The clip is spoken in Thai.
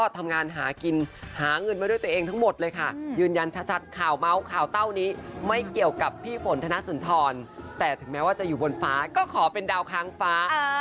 แต่ถึงแม้ว่าจะอยู่บนฟ้าก็ขอเป็นดาวค้างฟ้า